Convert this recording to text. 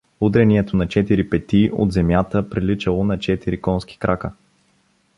Удрянието на четири пети от земята приличало на четири конски крака.